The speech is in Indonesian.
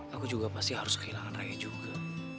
aku juga pasti harus kehilangan ayah juga